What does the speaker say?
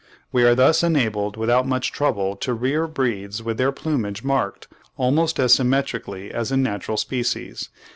We are thus enabled without much trouble to rear breeds with their plumage marked almost as symmetrically as in natural species.